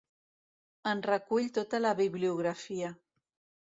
En recull tota la bibliografia.